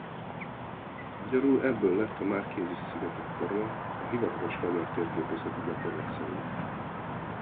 Magyarul ebből lett a Marquises-szigetek forma a hivatalos magyar térképészeti gyakorlat szerint.